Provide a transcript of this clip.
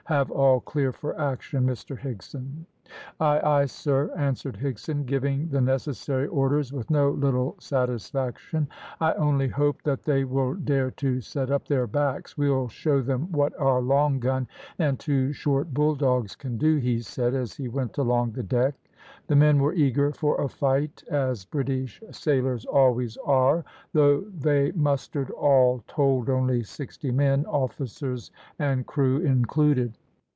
Have all clear for action, Mr Higson." "Ay, ay, sir!" answered Higson, giving the necessary orders with no little satisfaction. "I only hope that they will dare to set up their backs; we'll show them what our long gun and two short bull dogs can do," he said, as he went along the deck. The men were eager for a fight, as British sailors always are, though they mustered all told only sixty men, officers and crew included.